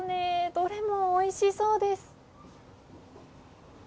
どれもおいしそうです。